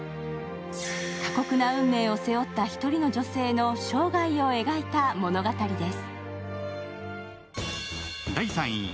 過酷な運命を背負った１人の女性の生涯を描いた物語です。